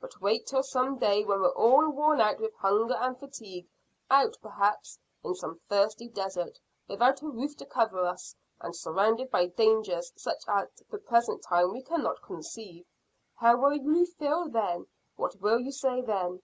But wait till some day when we're all worn out with hunger and fatigue out, perhaps, in some thirsty desert without a roof to cover us, and surrounded by dangers such as at the present time we cannot conceive. How will you feel then what will you say then?"